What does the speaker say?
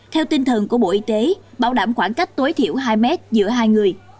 theo tinh thần của bộ y tế bảo đảm khoảng cách tối thiểu hai mét giữa hai người